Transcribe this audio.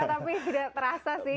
tapi tidak terasa sih